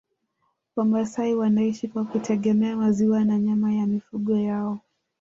Wamasai wanaishi kwa kutegemea maziwa na nyama ya mifugo yao